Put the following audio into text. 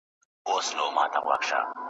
نه ونه پېژنم نه وني ته اشنا یمه نور ,